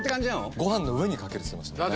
ご飯の上にかけるって言ってましたもんね。